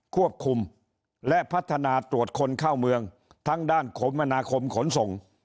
ควบคุมและพัฒนาตรวจคนเข้าเมืองทั้งด้านคมมนาคมขนส่ง